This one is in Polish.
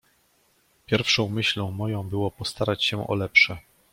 "Pierwszą myślą moją było postarać się o lepsze."